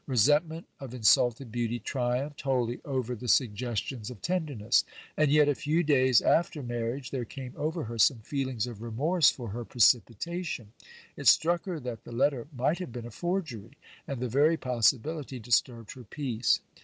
Resentment of insulted beauty triumphed wholly over the sugges ti )ns of tenderness. And yet, a few days after marriage, there came over her some feelings of remorse for her precipitation ; it struck her that the letter might have been a forgery ; and the very possibility disturbed her peace.